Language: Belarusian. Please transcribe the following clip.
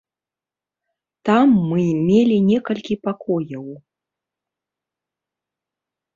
Там мы мелі некалькі пакояў.